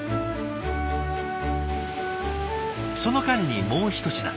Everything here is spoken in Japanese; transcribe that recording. その間にもう一品。